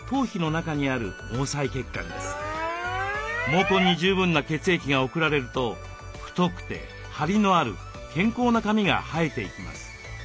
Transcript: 毛根に十分な血液が送られると太くてハリのある健康な髪が生えていきます。